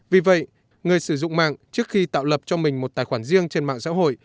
vì vậy người sử dụng mạng trước khi tạo lập cho mình một tài khoản riêng trên mạng xã hội